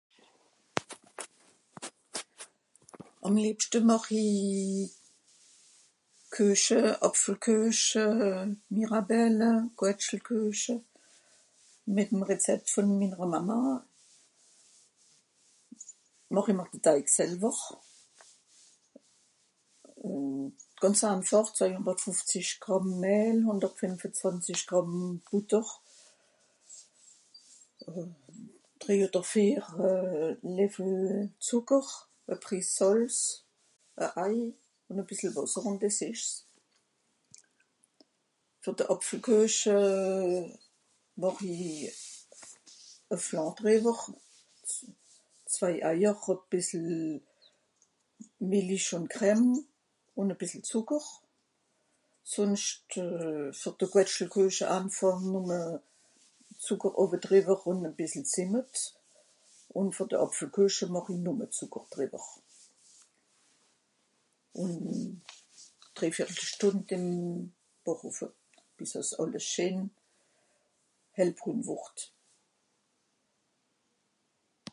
Àm liebschte màch-i Kueche, Àpfelkueche, Mirabelle, Quetschekuche. Mìt'me Rezept vùn minnre Màmme, màch i de Teig selwer. ùn gànz einfàch zweihùndertfùzisch Gràmm Mehl, hùndert fìnfezwànzisch Gràmm Bùtter. (...) e Lèffel Zùcker, e Pris Sàlz, e Ei, ùn e bìssel Wàsser ùn dìs ìsch's. Fer de Àpfelkueche màch i e Flanc drìwwer, zwei Eier ùn bìssel Mìllich ùn Crème ùn e bìssel Zùcker. Sùnscht fer Questschekueche anfàch nùmme Zùcker owedrìwer e bìssel Zìmmet, ùn fer de Àpfelkueche màch i nùmme Zùcker drìwer, ùn drèivìertl Stùnd ìm Bàchhoffe, bìs àss àlles schén (...) wùrd.